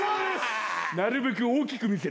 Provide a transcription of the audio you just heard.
なるべく大きく見せる。